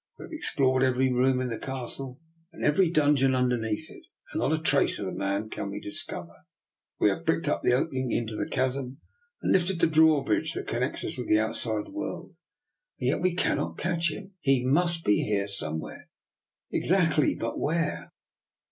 " We have explored every room in the Castle and every dungeon underneath it, and not a trace of the man can we discover. We have bricked up the opening into the chasm, arid lifted the drawbridge that con 28o DR NIKOLA'S EXPERIMENT. nects us with the outside world, and yet we cannot catch him. He must be here some where." "Exactly; but where?"